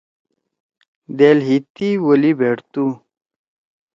دییال ہیتی ولی بھیٹ تو ؟